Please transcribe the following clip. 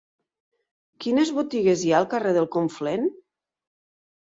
Quines botigues hi ha al carrer del Conflent?